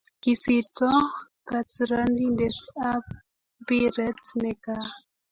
kisirto katrandiet ab mpiret ne kaa